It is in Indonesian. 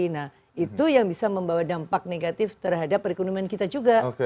nah itu yang bisa membawa dampak negatif terhadap perekonomian kita juga